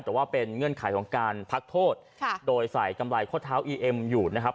แต่ว่าเป็นเงื่อนไขของการพักโทษโดยใส่กำไรข้อเท้าอีเอ็มอยู่นะครับ